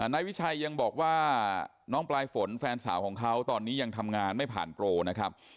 นายวิชัยยังบอกว่าน้องปลายฝนแฟนสาวของเขาตอนนี้ยังทำงานไม่ผ่านโปรนะครับ